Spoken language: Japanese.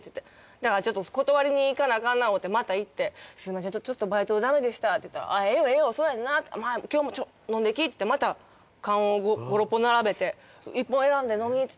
だから断りに行かなあかんな思うてまた行って「すみませんちょっとバイトだめでした」って言ったら「あぁええよええよそうやんな今日もちょっと飲んでき」ってまた缶を５６本並べて「１本選んで飲み」って。